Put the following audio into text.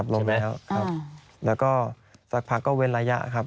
แล้วก็สักพักก็เว้นระยะครับ